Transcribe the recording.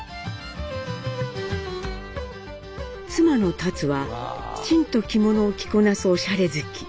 妻のタツはきちんと着物を着こなすおしゃれ好き。